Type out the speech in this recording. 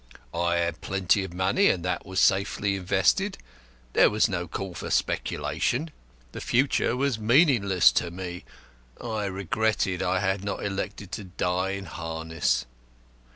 I had plenty of money, and it was safely invested; there was no call for speculation. The future was meaningless to me; I regretted I had not elected to die in harness.